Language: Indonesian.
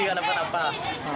tidak dapat apa apa